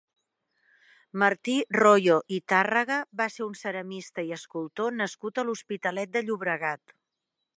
Martí Royo i Tàrraga va ser un ceramista i escultor nascut a l'Hospitalet de Llobregat.